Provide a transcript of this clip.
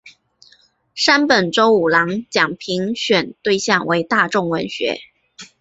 山本周五郎奖评选对象为大众文学。